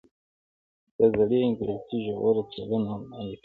دا د زړې انګلیسي ژوره څیړنه وړاندې کوي.